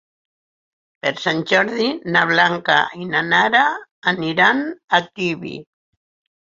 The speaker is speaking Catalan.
Per Sant Jordi na Blanca i na Nara aniran a Tibi.